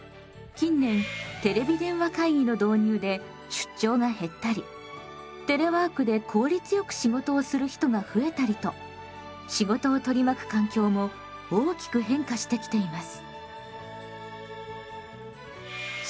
近年テレビ電話会議の導入で出張が減ったりテレワークで効率よく仕事をする人が増えたりと仕事を取り巻く環境も大きく変化してきています。